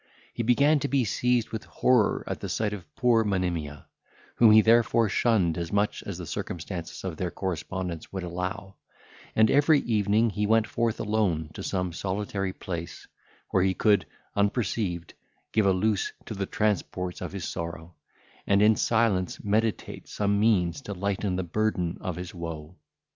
He began to be seized with horror at the sight of poor Monimia, whom he therefore shunned as much as the circumstances of their correspondence would allow; and every evening he went forth alone to some solitary place, where he could, unperceived, give a loose to the transports of his sorrow, and in silence meditate some means to lighten the burden of his woe.